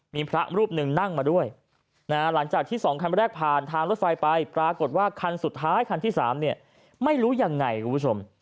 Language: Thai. มีพระรูปหนึ่งนั่งมาด้วยหลังจากที่๒คันแรกผ่านทางรถไฟไปปรากฏว่าคันสุดท้ายคันที่๓เนี่ยไม่รู้ยังไงคุณผู้ชม